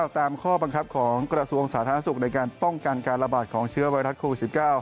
ตามข้อบังคับของกระทรวงสาธารณสุขในการป้องกันการระบาดของเชื้อไวรัสโควิด๑๙